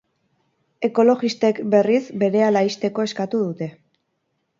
Ekologistek, berriz, berehala ixteko eskatu dute.